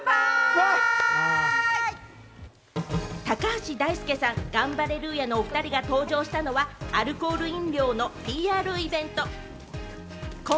高橋大輔さん、ガンバレルーヤのお２人が登場したのは、アルコール飲料のＰＲイベント。